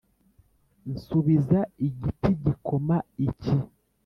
Nsubiza Igiti gikoma iki!